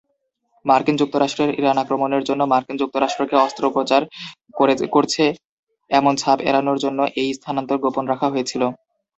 মার্কিন যুক্তরাষ্ট্রে ইরান আক্রমণের জন্য মার্কিন যুক্তরাষ্ট্রকে অস্ত্রোপচার করছে এমন ছাপ এড়ানোর জন্য এই স্থানান্তর গোপন রাখা হয়েছিল।